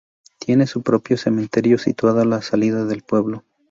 Tiene su propio cementerio, situado a la salida del pueblo.